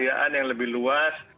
kepercayaan yang lebih luas